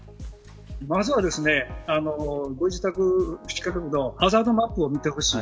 まずはご自宅近くのハザードマップを見てほしい。